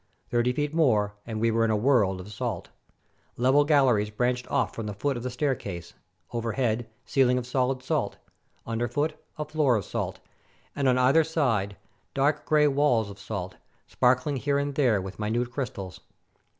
Thirty feet more, and we were in a world of salt. Level galleries branched off from the foot of the staircase; overhead, ceiling of solid salt, under foot a floor of salt, 370 THE SALT MINES OF WIELICZKA and on either side dark gray walls of salt, sparkling here and therewith minute crystals.